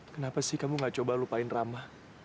kenapa sih kamu gak coba lupain ramah